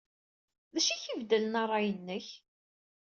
D acu ay ak-ibeddlen ṛṛay-nnek?